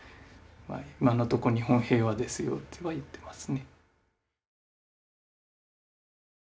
今のとこ日本平和ですよとは言ってますね。